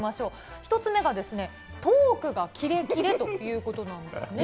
１つ目がトークがキレキレということなんですね。